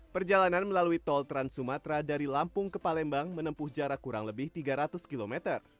perjalanan melalui tol trans sumatra dari lampung ke palembang menempuh jarak kurang lebih tiga ratus km